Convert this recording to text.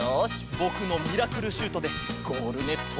ぼくのミラクルシュートでゴールネットをゆらすぞ！